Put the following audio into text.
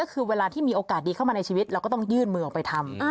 ก็คือเวลาที่มีโอกาสดีเข้ามาในชีวิตเราก็ต้องยื่นมือออกไปทำ